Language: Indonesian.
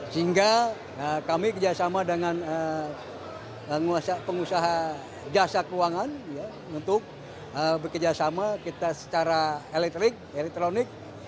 sehingga kami kerjasama dengan pengusaha jasa keuangan untuk bekerjasama kita secara elektronik